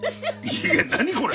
いや何これ！